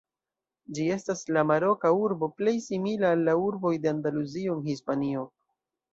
Ĝi estas la maroka urbo plej simila al la urboj de Andaluzio en Hispanio.